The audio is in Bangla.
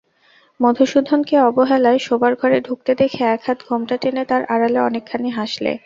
মধুসূদনকে অবেলায় শোবার ঘরে ঢুকতে দেখে একহাত ঘোমটা টেনে তার আড়ালে অনেকখানি হাসলে।